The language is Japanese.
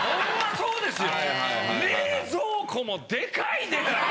そうですよ。